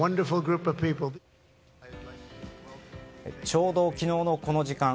ちょうど、昨日のこの時間。